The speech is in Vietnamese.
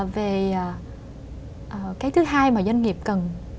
về cái thứ hai mà doanh nghiệp cần